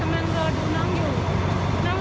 และความสุขของคุณค่ะ